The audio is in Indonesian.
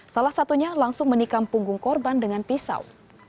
salah satunya langsung menikam punggung korban dengan pisau